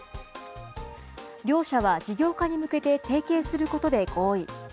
両社は事業化に向けて提携することで合意。